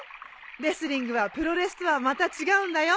レスリングはプロレスとはまた違うんだよ。